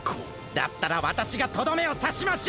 だったらわたしがとどめをさしましょう！